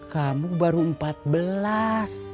kamu baru empat belas